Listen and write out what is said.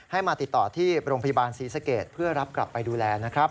มาติดต่อที่โรงพยาบาลศรีสเกตเพื่อรับกลับไปดูแลนะครับ